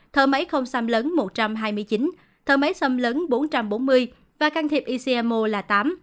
thở máy không xăm lớn một trăm hai mươi chín thở máy xăm lớn bốn trăm bốn mươi và can thiệp ecmo là tám